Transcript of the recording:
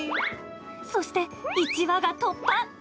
そして１羽が突破。